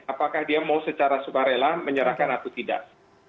apakah dia mau secara sukarela menyerahkan atau tidak